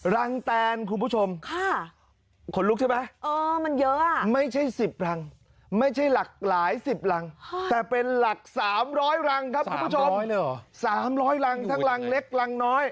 รังแตนคุณผู้ชมขนลุกใช่ไหมมันเยอะไม่ใช่๑๐รังไม่ใช่หลากหลายสิบรังแต่เป็นหลัก๓๐๐รังครับคุณผู้ชม๓๐๐รังทั้งรังเล็กรังน้อย